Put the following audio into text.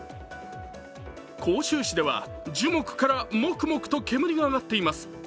杭州市では、樹木からもくもくと煙が上がっています。